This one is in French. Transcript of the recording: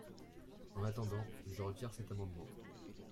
En attendant, je retire cet amendement.